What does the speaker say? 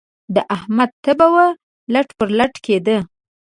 د احمد تبه وه؛ لټ پر لټ کېدی.